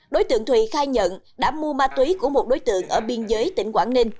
đối tượng thùy khai nhận đã mua ma túy của một đối tượng ở biên giới tỉnh quảng ninh